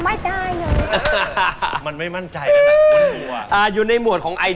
นี่เปิร์นได้ยินไหมเขาบอกชอบคนตลกซะด้วย